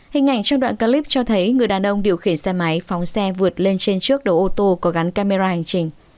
hình ảnh trong đoạn clip cho thấy người đàn ông điều khiển xe máy phóng xe vượt lên trên trước đầu ô tô có gắn camera hành trình